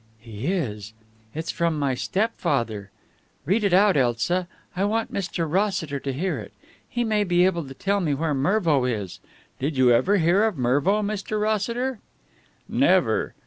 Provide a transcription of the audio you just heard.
"He is. It's from my stepfather. Read it out, Elsa. I want Mr. Rossiter to hear it. He may be able to tell me where Mervo is. Did you ever hear of Mervo, Mr. Rossiter?" "Never.